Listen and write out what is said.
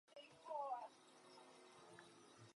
Žije samotářsky.